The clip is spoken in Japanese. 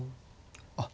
あっ。